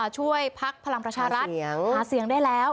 ช่วยพลักษณ์ภัลังปรชารัฐหาเสียงได้แล้ว